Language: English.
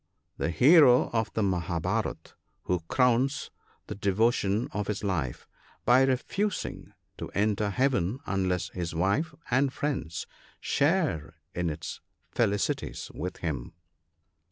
— The hero of the Mahabharat, who crowns the devotion of his life by refusing to enter Heaven unless his wife and friends share in its felicities with him.